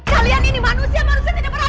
kalian ini manusia manusia tidak berat